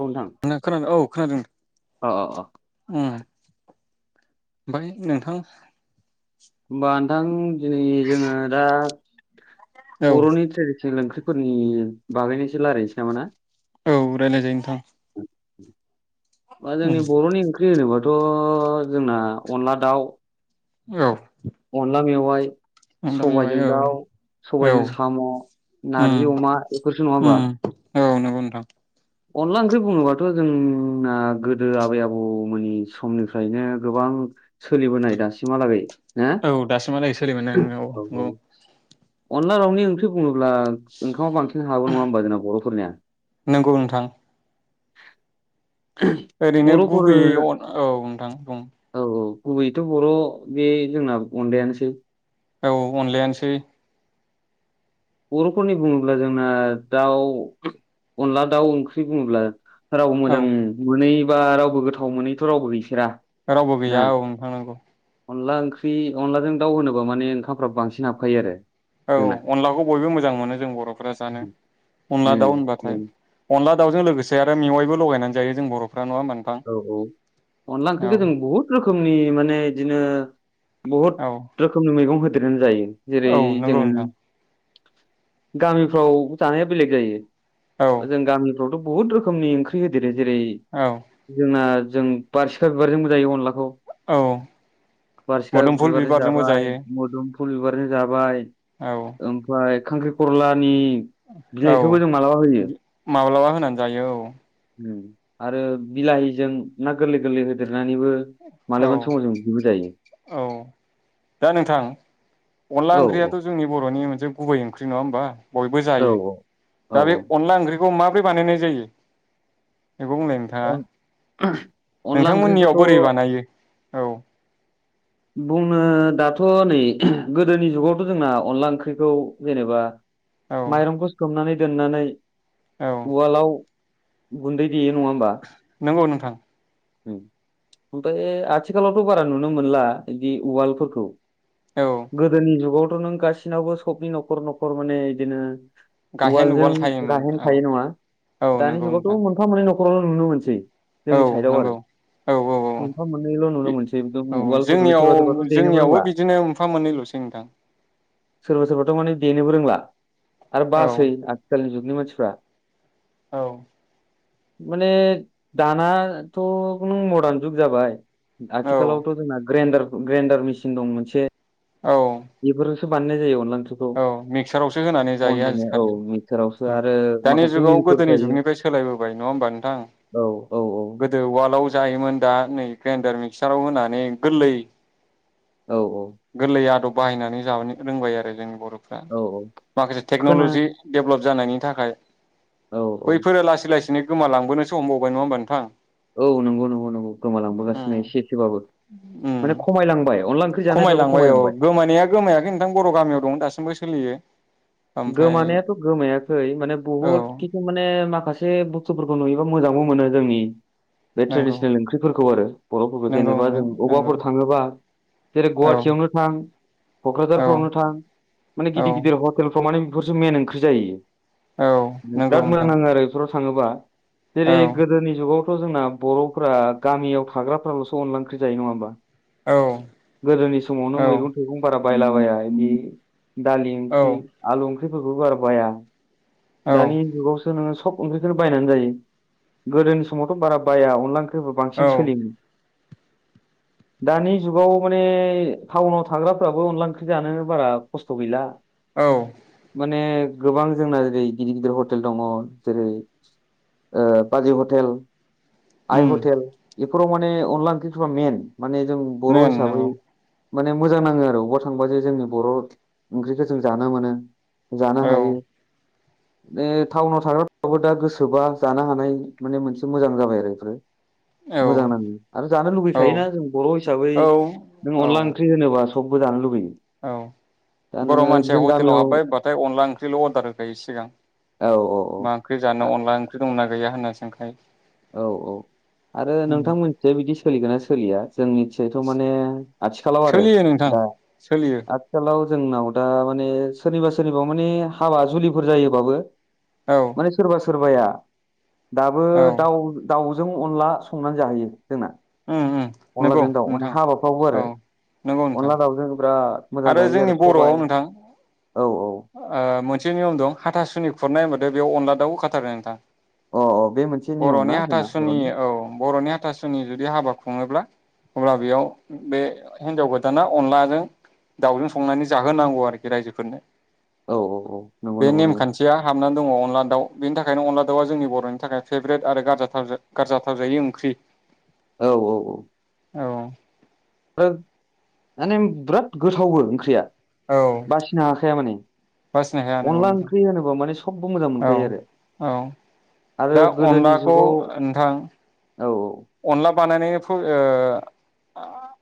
औ नोंथां खोनादों औ खोनादों अ अ अ उम ओमफ्राय नोंथां होमबा नोंथां दिनै जोङो दा औ बरनि ट्रेडिसन जों ओंख्रिफोरनि बागायनायसो रायलायनोसै नामा ना औ राय्लायजायो नोंथां [inaudible] [inaudible] बा उम जोंनि बरनि ओंख्रि होनोबा थ जोंना अनदला दाउ औ [unintelligible] नोंथां मेवाइ सबायजों औ दाउ औ सबायजों साम उम नारजि अमा बेफोरसो नंङा उम होमबा औ नंगौ नोंथां अनला ओंख्रि बुङोबाथ जोंना गोदो आबै आबौमोननि समनिफ्रायनो गोबां सोलिबोनाय दासिमहालागै ना? औ दासिमहालागै सो [unintelligible] मोनो औ औ अनला रावनि ओंख्रि बुंङो ब्ला ओंखामा बांसिन हागौ नंङा होमबा जोंना बरफोरनिया नंगौ नोंथां ओरैनो बर'फोर गुबैयै अ औ नोंथां बुं औ गुबैयैथ बर बे जोंना अनलायानोसै औ अनलायानोसै बरफोरनि बुंङोब्ला जोंना दाउ अनला दाउ ओंख्रि बुंङोब्ला राव औ मोजां मोनै बा रावबो गोथाव मोनैथ' रावबो गै रावबो गैया औ नोंथां नंगौ अनला ओंख्रि अनलाजों दाउ होनोबा माने ओंखामफ्रा बांसिन हाबखायो आरो औ जोंना अनलाखौ बय बयबो मोजां मोनो जों बर'फोरा जानो अनला दाव उम होनबाथाय उम अनला दाउजों लोगोसे आरो मेवायबो लगायनानै जायो जों बर' औ औ अनदला ओंख्रिखौ जों बुहुत रोखोम खोमनि माने बिदिनो बुहुत औ रोखोमनि मैगं हो [unintelligible] जायो जेरै औ औ नंगौ जोङो नोंथां गामिफ्राव जानाया बेलेग जायो औ जों गामि आवथ बहुत रोखोमनि ओंख्रि होदेरो जेरै औ जोंना जों बारसिखा बिबारजोंबो जायो अनलाखौ औ बारसिखा मोदोमफुल बिबारजों बिबारजोंबो जाबाय जायो मोदुम फुल बिबारजों जाबाय औ ओमफ्राय खांख्रिखलानि औ मालाबा होनानै जायो औ उम आरो बिलाहिजों ना गोरलै गोरलै होदेर नानैबो औ मालाबानि समाव जों बिबो जायो। औ दा नोंथां अनला औ ओंख्रियाथ' जोंनि बर'नि मोनसे गुबै ओंख्रि नङा होमबा बयबो औ जायो औ दा बे अनला ओंख्रि खौ माब्रै बानायनाय जायो बेखौ बुंलाय नोंथाङा औ अन [inaudible] नोंथांमोननियाव ओंख्रिखौथ' बोरै बानायो औ बुंनो दाथ' नै गोदोनि जुगावथ' जोंना अनला ओंख्रिखौ जेनेबा औ माइरंखौ सोमनानै दोननानै औ उवालाव गुन्दै देयो नङा होमबा नंगौ नोंथां उम ओमफ्राय आथिखालावथ' बारा नुनो मोनला दि उवाल फोरखौ' औ गोदोनि जुगाव नों गासिनावबो सबनि न'खर न'खर माने बिदिनो गाहेन उवालजों उवाल थायोमोन गाहेन औ थायो नङा औ दानि नंगौ नोंथां जुगावथ' मोनफा मोननै न'खर अ नुनो मोनसै औ जोंनि साइदआव आरो नंगौ औ औ मोनफाम मोननैल' नुनो मोनसै एखदम उवालफोरखौनो जोंनियाव सोरबा सोरबाथ' औ देनोबो जोंनियावबो रोंला बिदिनो मोनफा मोननैल'सै नोंथां सोरबा सोरबाथ' माने देनोबो रोंला आरो औ बासै आथिखालनि जुग मानसिफ्रा औ माने दानाथ' नों मदार्न जुग जाबाय औ आथिखालावथ' जोंना ग्रेन्द्रार ग्रेन्डार मेसिन दं मोनसे औ बेफोरजोंसो बानायनाय जायो अनला ओंख्रिखौ औ मिक्सारावसो होनानै अन जायो गुन्दै औ आजिखालि मिक्सारावसो औ आरो दानि माखासे जुगाव मिलफोर गोदोनि थायो जुगनिफ्राय सोलायबोबाय नङा होमबा नोंथां औ औ गोदो उलाव जायोमोन दा नै ग्राइडार मिक्सार मिगसाराव होनानै गोरलै औ गोरलै आदब बाहायनानै जानो रोंबाय आरो जों बर'फ्रा औ औ माखासे खोना टेक्न'लजि [unintelligible] जानायनि थाखाय औ औ बैफोरो लासै लासैनो गोमलांबोनोसो हमबावबाय नङा होमबा नोंथां औ नंगौ नंगौ नंगौ गोमालांबोगासिनो उम एसे एसेबाबो उम माने खमायलांबाय अनला ओं खमायलांबाय औ गोमानाया गोमायाखै नोंथां बर गामियाव दं दासिमबो सोलियो ओमफ्राय गोमानायाथ गोमायाखै माने औ बुहुद खिनथु माने माखासे एसे बुस्थुफोरखौ नुयोबा मोजांबो मोनो जोंनि बे नंगौ ट्रेडिसनेल ओंख्रिफोरखौ आरो बरफोरखौ नंगौ जेनेबा नोंथां जों नंगौ अबाफोर थाङोबा जेरै औ गुवाहाटियावनो थां औ कक्राझारफोरावनो थां माने औ गिदिर गिदिर हट माने बेफोरसो ओंख्रि जायो औ नंगौ बिराद मोजां नोंथां नांङो आरो थाङोबा औ जेरै गोदोनि जुगाव थ जोंना बर'फोरा गामियाव थाग्राफोरालसो अनला ओंख्रि जायो नङा होमबा औ गोदोनि समाव नों औ मैगं थाइगं बारा बायलाबाया इदि दालि ओंख्रि आलु ओंख्रिफोरखौबो बारा बाया औ दानि जुगावसो नोङो सब ओंख्रिखौनो बायनानै जायो गोदोनि समावथ' बारा बाया अनला ओंख्रि फोरबो औ बांसिन सोलियोमोन दानि जुगाव माने टाउनाव थाग्राफ्राबो अनला ओंख्रि जानो बारा खस्थ' गैला औ माने गोबां जोंना जेरै गिदिर गिदिर हटेल दङ जेरै ओ बाजै हटेल आइ उम हटेल बेफोराव माने अनला ओंख्रिफोरा मेन माने जों बर मेन हिसाबै नंगौ माने मोजां नाङो आरो अबावबा थांबा जो जोंनि बर ओंख्रिखौ जों जानो मोनो। जानो औ हायो माने टाउनाव थाग्राफोराबो दा गोसोबा जानो हानाय माने मोनसे मोजां जाबाय आरो बेफोरो मोजां नाङो आरो जानो औ लुुबैखायोना जों बर' हिसाबै नों औ औ अनला ओंख्रि होनोबा सबबो जानो लुबैयो दा बर' नोङो मानसिया जों हटेलाव गामियाव हाब्बाय होन अनला ओंख्रिल अर्दार होखायो सिगां औ मा ओंख्रि औ जानो अनला ओंख्रि दंना गैया होनना सोंखायो औ औ आरो उम नोंथां मोनसेया बिदि सोलिगोना सोलिया जों मिथियोथ' माने आथिखालाव आरो सोलियो नोंथां दा सोलियो आथिखालाव जोंनाव दा माने सोरनिबा सोरनिबा माने हाबा जुलिफोर जायोबाबो औ माने सोरबा सोरबाया दाबो औ दाउ दाउ जों अनला संनानै जाहैयो जोंना उम उम नंगौ अनलाजों दाउ माने नोंथां हाबाफ्रावबो औ आरो नंगौ नोंथां अनला दाउजों बिराद मोजां आरो जाहैयो जोंनि बर'आव सबाय नोंथां औ औ ओ मोनसे बे नियम दं हाथासुनि खुरनाय होनबादो बेयाव अनला दाउबो खारो नोंथां अ अ बे मोनसे नियम बर'नि ना जोंना हाथासुनि बर'नि औ बर'नि हाथासुनि जुदि हाबाखौ सङोब्ला अब्ला बेयाव बे हिनजाव गोदाना अनलाजों दावजों संनानै जाहोनांगौ आरोखि रायजोफोरनो औ औ औ नंगौ बे नंगौ नंगौ नेमखान्थिया हाबनानै दङ अनदला दाउ बेनि थाखायनो अनदला दाउआ जोंनि बर'नि थाखाय फेभ्रेट आरो ग गारजाथावजायि ओंख्रि औ औ औ औ। आरो माने बिराद गोथावबो ओंख्रिया औ बासिनो हाखाया माने बासिनो हाया नंगौ अनला नोंथां ओंख्रि होनोबा माने सबबो मोजां औ मोनखायो आरो औ आरो दा गोदोनि अनलाखौ जुगाव नोंथां औ औ। अनला बानायनायनि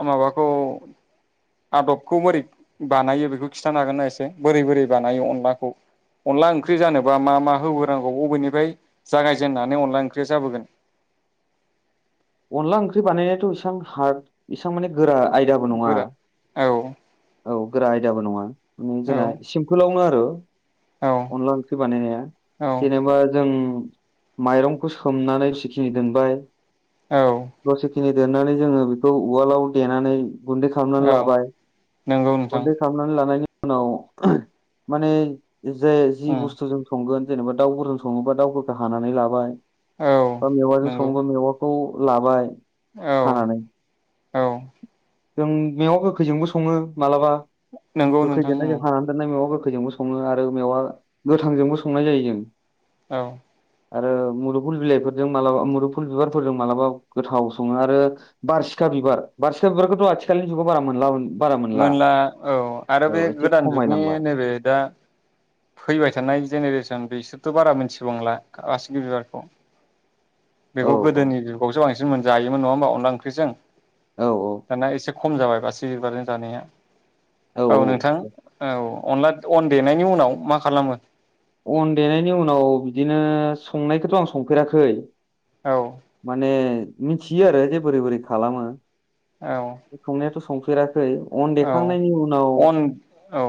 ओ माबाखौ आदबखौ बोरै बानायो बेखौ खिन्थानो हागोन ना एसे बोरै बोरै बानायो अनलाखौ अनला ओंख्रि जानोबा मा मा होबोनांगौ अबेनिफ्राय जागायजेननानै अनला ओंख्रिया जाबोगोन? अनला ओंख्रि बानायनायाथ' बेसेबां हार्द बेसबां माने गोरा आयदाबो नङा गोरा औ औ गोरा आयदाबो नङा। नों औ जोंना सिम्पोलावनो आरो औ [inaudible] अनला ओंख्रि बानायनाया औ जेनेबा जों माइरंखौ सोमनानै बेखिनि दोनबाय औ दसेखिनि दनानैनानै जोङो बेखौ उवालाव देनानै गुन्दै खालामनानै औ लाबाय नंगौ नोंथां गुन्दै खालामनानै लानायनि उनाव माने जे जि उम बुस्थुजों संगोन जेनेबा दाावउफोरजों सङोबा दाउफोरखौ हानानै लाबाय औ बा मेबाजों नंगौ सङोबा मेवा खौ लाबाय औ हानानै औ जों मेवा गोखैजोंबो सङो मालाबा नोंगौ नोंथां। गोखैजोंनो जों हानानै दोननाय मेवा गोखैजोंबो सङो आरो मेवा गोथांजोंबो संनाय जायो जों। औ। आरो मुरुफुल बिलाइफोरजों मालाबा मुुरुफुल बिबारफोरजों मालाबा गोथाव सङो आरो बारसिखा बिबार बारसिखा बिबारखौथ' आथि खालिनि जुगाव बारा मोनलामोन मोनला औ आरो बे एसे गोदान जुगनि खमायलांबाय नैबे दा फैबाय थानाय जेनेरेसन बिसोरथ' बारा मिथिबांला बारसिगि बिबारखौ। औ बेखौ औ गोदोनि जुगावसो बांसि जोङो जायोमोन नङा होमबा अनला ओंख्रिजों? औ दाना एसे खम जाबाय बासिगि बिबारजों जानाया औ नोंथां औ। अनला अन देनायनि उनाव मा खालामो? अन देनायनि उनाव बिदिनो संनायखौथ' आं संफेराखै औ माने मिथियो आरो जे बोरै बोरै खालामो। औ संनायाथ' सं फेराखै अन औ देखांनायनि उनाव अन औ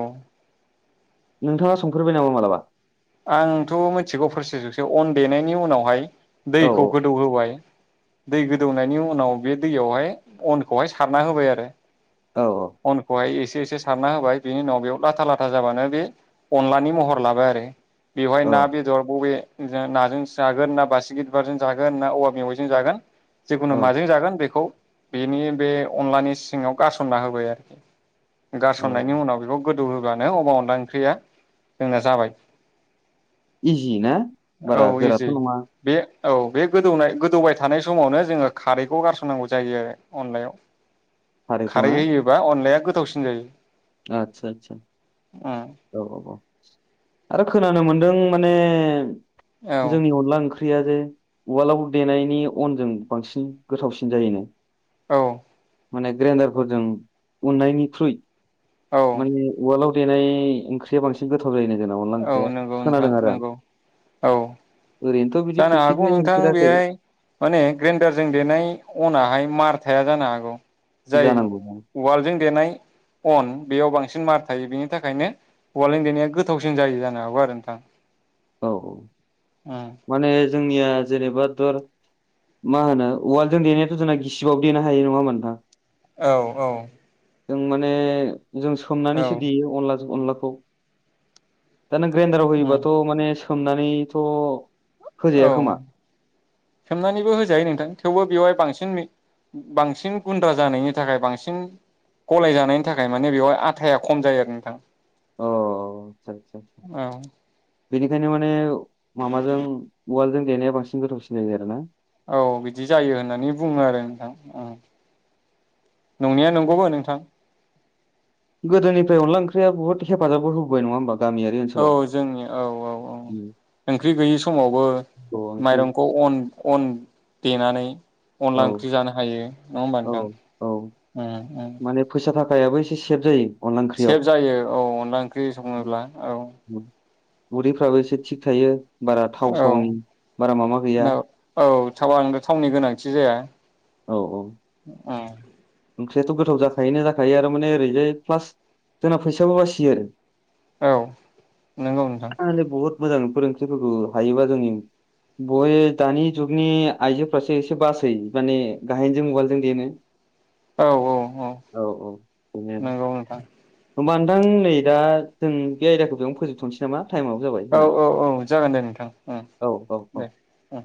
नोंथाङा संफेरबाय नामा मालाबा? आंथ' मोनथिगौ प्रसेसजोसो अन देनायनि उनावहाय औ दैखौ गोदौ होबाय। दै गोदौनायनि उनाव बे दैयावहाय अनखौहाय सारना होबाय आरो। औ। अनखौहाय एसे एसे सारना होबाय बिनि उनाव बेयाव लाथा लाथा जाबानो बे अनलानि महर लाबाय आरो। बेवहाय औ ना बेदर बबे जों नाजोंसो जागोन ना बासिगि बिबारजों जागोन ना औवा मेवाइजों जागोन जिखुनु औ माजों जागोन बेखौ बेनि बे अनलानि सिङाव गारसनना होब बाय आरोखि औ गारसननायनि उनाव बेखौ गोदौ होब्लानो अबा अनला ओंख्रिया जोंना जाबाय। इजि ना? बारा औ इजि गोराथ' नङा। बे औ बे गोदौनाय गोदौबाय थानाय समावनो जोङो खारैखौ गारसननांगौ जायो अनलायाव। खारैखौ खारै ना? होयोबा अनलाया गोथावसिन जायो। आतसा आतसा। उम औ औ औ। आरो खोनानो मोनदों माने जोंनि औ अनला ओंख्रि ओंख्रिया जे उवालाव देनायनि अनजों बांसिन गोथावसिन जायोनो। औ। माने ग्रेन्डारफोरजों उननायनिख्रुइ औ औ माने उवालाव देनाय ओंख्रिया बांसिन गोथाव थाव जायोनो जोंना अनला औ ओंख्रिया नंगौ नोंथां खोनादों आरो आं नंगौ औ ओरैनो थ' जानो हागौ नोंथां बेहाय माने ग्रेन्डारजों देनाय अनाहाय मार थाया जानो हागौ। जाय जानांगौ दां। उवाल जों देनाय अन बेयाव बां बांसिन मार थायो बेनि थाखायनो औवालजों देनाया गोथावसिन जायो जानो हागौ आरो नोंथां। औ औ। उम माने जोंनिया जेनेबा थर मा होनो उवालजों देनायाथ' जोंना गिसिबाबो देनो हायो नङा होनबा नोंथां? औ औ। जों माने जों औ सोमनानैसो देयो अनलाजो अनला खौ दा नों ग्रेन्दाराव होयोबाथ' उम माने सोमनानैथ' औ होजाया खोमा सोमनानैबो होजायो नोंथां थेवबो बेवहाय बांसिन मि बांसिन गुन्द्रा जानायनि थाखाय बांसिन गलाय जानायनि थाखाय माने बेवहाय आथाया खम जायो आरो नोंथां अ आतसा सा आतसा आतसा औ बेनिखायनो माने माबाजों उवालजों देनाया बांसिन गोथावसिन जायो आरो ना औ बिदि जायो होननानै बुङो आरो नोंथां ओं नंनाया नंगौबो नोंथां गोदोनिफ्राय अनला ओंख्रिया बुहुत हेफाजाबबो होबोबाय नङा होमबा गामियारि औ ओनसोलाव जोंनि औ औ औ ओंख्रि गैयि समावबो औ ओंख्रि माइरंखौ अन अन देनानै औ अनला ओंख्रि जानो हायो नङा होनबा औ नोंथां औ ओम माने फैसा थाखा याबो एसे सेब जायो अनला ओंख्रियाव सेभ जायो औ अनला ओंख्रि सङोब्ला औ उदैफ्राबो एसे थिग थायो बारा थाव औ सावनि बारा मामा गैया थावा नोंगो थावनि गोनांथि जाया औ औ ओम ओंख्रियाथ' गोथाव जाखायोनो जाखायो आरो माने ओरैजाय प्लास जोंना फैसाबो बासियो आरो औ नोंगौ नोंथां आरो बहुत मोजां बेफोर ओंख्रि फोरखौ हायोबा जोंनि बय दानि जुगनि आइजोफ्रासो एसे बासै माने गाहेनजों उवालजों देनो औ औ औ औ [inaudible] नायानो नंगौ नोंथां होमबा नोंथां नै दा जों बे आयदाखौ बेयावनो फोजोब औ औ औ जागोन दे नोंथां ओं औ औ औ दे ओं